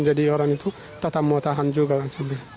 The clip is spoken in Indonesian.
jadi orang itu tetap mau tahan juga kan